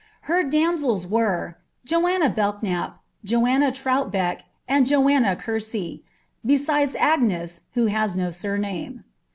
Her damsels were, Joanna Belknap* Joanna Troutberk^ and Joanna Courcy, besides Agne«, who has no surname.